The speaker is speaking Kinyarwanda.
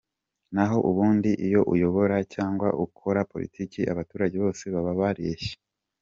Naho ubundi iyo uyobora cyangwa ukora politiki abaturage bose baba bareshya.